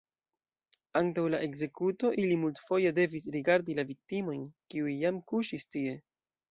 Antaŭ la ekzekuto ili multfoje devis rigardi la viktimojn, kiuj jam kuŝis tie.